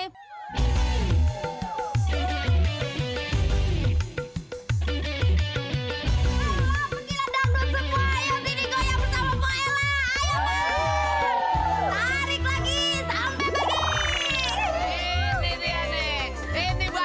halo penjila dandut semua